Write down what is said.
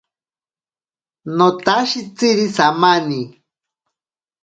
Notashitsiri samani.